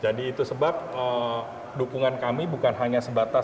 jadi itu sebab dukungan kami bukan hanya sebatas